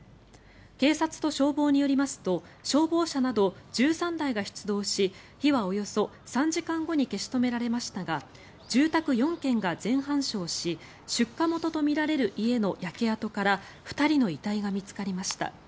警察と消防によりますと消防車など１３台が出動し火はおよそ３時間後に消し止められましたが住宅４軒が全半焼し出火元とみられる家の焼け跡から２人の遺体が見つかりました。